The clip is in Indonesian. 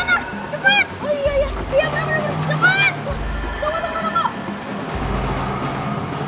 jangan jangan ke sana cepat